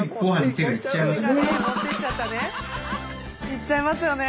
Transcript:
いっちゃいますよね。